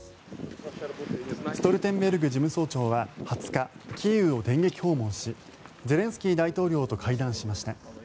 ストルテンベルグ事務総長は２０日、キーウを電撃訪問しゼレンスキー大統領と会談しました。